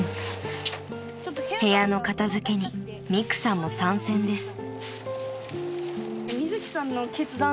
［部屋の片付けにみくさんも参戦です］